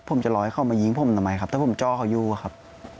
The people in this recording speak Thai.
ผมจะรอให้เขามายิงผมทำไมครับถ้าผมจ้อเขาอยู่ครับ